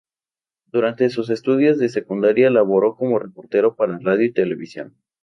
Durante sus estudios de secundaria laboró como reportero para radio y televisión.